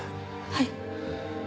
はい。